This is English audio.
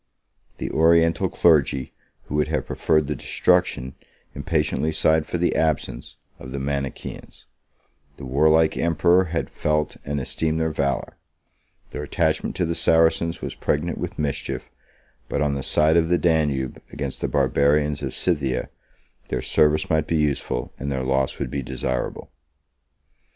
The Oriental clergy who would have preferred the destruction, impatiently sighed for the absence, of the Manichaeans: the warlike emperor had felt and esteemed their valor: their attachment to the Saracens was pregnant with mischief; but, on the side of the Danube, against the Barbarians of Scythia, their service might be useful, and their loss would be desirable.